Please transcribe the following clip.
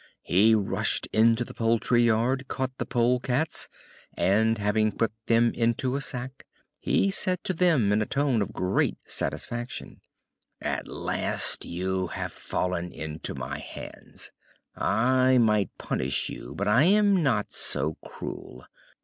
He rushed into the poultry yard, caught the polecats, and, having put them into a sack, he said to them in a tone of great satisfaction: "At last you have fallen into my hands! I might punish you, but I am not so cruel.